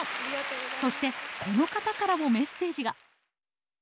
そしてこの方からもメッセージが。